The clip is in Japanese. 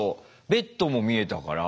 ベッドも見えたから。